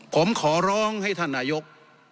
ผมขอร้องให้ท่านนายก